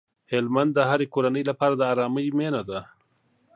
هلمند د هرې کورنۍ لپاره د ارامۍ مينه ده.